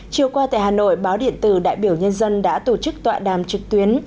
chiều qua tại hà nội báo điện tử đại biểu nhân dân đã tổ chức tọa đàm trực tuyến